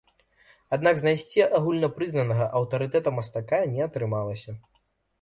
Аднак знайсці агульнапрызнанага аўтарытэта-мастака не атрымалася.